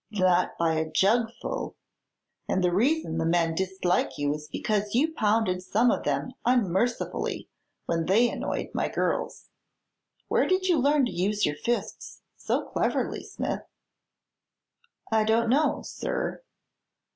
Not by a jug full! And the reason the men dislike you is because you pounded some of them unmercifully when they annoyed my girls. Where did you learn to use your fists so cleverly, Smith?" "I don't know, sir."